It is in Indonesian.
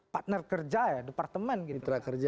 partner kerja ya departemen gitu